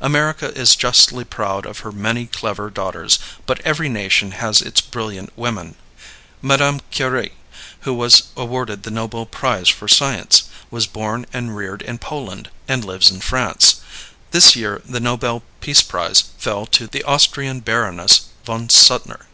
America is justly proud of her many clever daughters, but every nation has its brilliant women. Mme. Curie, who was awarded the Nobel prize for science, was born and reared in Poland and lives in France. This year the Nobel peace prize fell to the Austrian Baroness von Suttner.